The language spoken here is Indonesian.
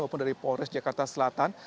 maupun dari polres jakarta selatan